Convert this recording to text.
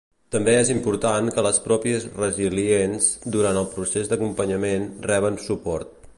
També és important que les pròpies resilients, durant el procés d’acompanyament, reben suport.